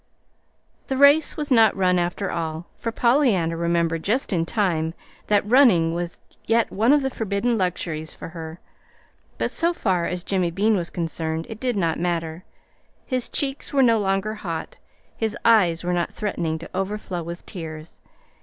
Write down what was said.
The race was not run after all, for Pollyanna remembered just in time that running fast was yet one of the forbidden luxuries for her. But so far as Jimmy was concerned, it did not matter. His cheeks were no longer hot, his eyes were not threatening to overflow with tears.